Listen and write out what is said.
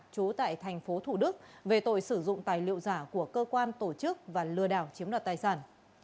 trú tại thành phố thủ đức về tội sử dụng tài liệu giả của cơ quan tổ chức và lừa đảo chiếm đoạt tài sản